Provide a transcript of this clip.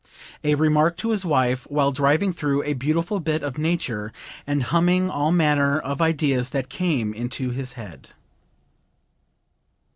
(A remark to his wife while driving through a beautiful bit of nature and humming all manner of ideas that came into his head.)